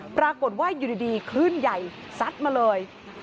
ปรากฏว่าอยู่ดีคลื่นใหญ่ซัดมาเลย